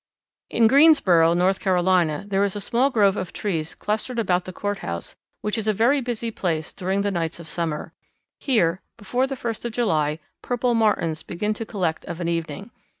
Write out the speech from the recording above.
In Greensboro, North Carolina, there is a small grove of trees clustered about the courthouse which is a very busy place during the nights of summer. Here, before the first of July, Purple Martins begin to collect of an evening.